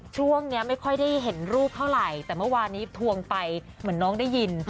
ช่วงนี้ไม่ค่อยได้เห็นรูปเท่าไหร่แต่เมื่อวานนี้ทวงไปเหมือนน้องได้ยิน